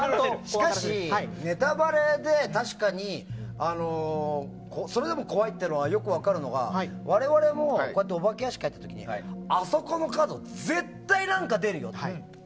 しかし、ネタバレで確かにそれでも怖いってよく分かるのが我々もお化け屋敷に入った時にあそこの角、絶対何か出るよって。